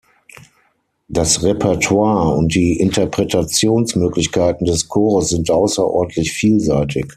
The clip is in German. Das Repertoire und die Interpretationsmöglichkeiten des Chores sind außerordentlich vielseitig.